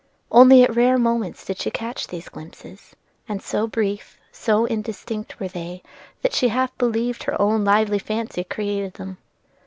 Only at rare moments did she catch these glimpses, and so brief, so indistinct, were they that she half believed her own lively fancy created them.